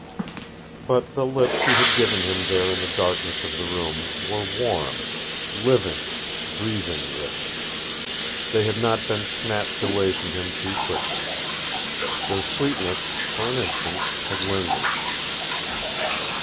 But the lips she had given him there in the darkness of the room were warm, living, breathing lips. They had not been snatched away from him too quickly. Their sweetness, for an instant, had lingered.